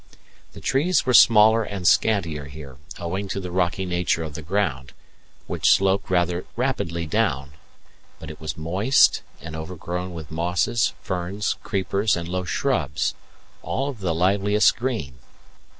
The trees were smaller and scantier here, owing to the rocky nature of the ground, which sloped rather rapidly down; but it was moist and overgrown with mosses, ferns, creepers, and low shrubs, all of the liveliest green.